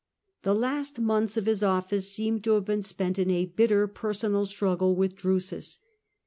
The last months of his office seem to have been spent in a bitter personal struggle with Drusus.